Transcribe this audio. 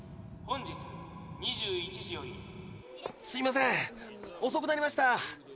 すいません遅くなりました。